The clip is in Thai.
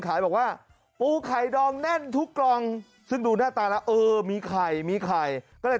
บอกว่าปูไข่ดองแน่นทุกกล่องซึ่งดูหน้าตาแล้วเออมีไข่มีไข่ก็เลย